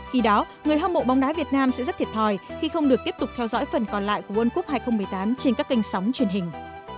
khi đó người hâm mộ bóng đá việt nam sẽ rất thiệt thòi khi không được tiếp tục theo dõi phần còn lại của world cup hai nghìn một mươi tám trên các kênh sóng truyền hình